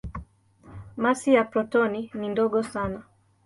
Masi ya protoni ni ndogo sana.